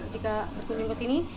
jika berkunjung ke sini